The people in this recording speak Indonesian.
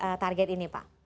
beraih target ini pak